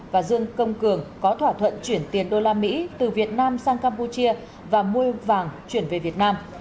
và dương công cường có thỏa thuận chuyển tiền đô la mỹ từ việt nam sang campuchia và mua vàng chuyển về việt nam